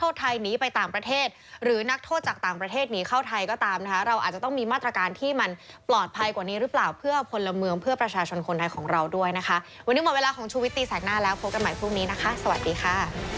สมัยพรุ่งนี้นะคะสวัสดีค่ะ